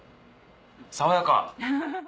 爽やか！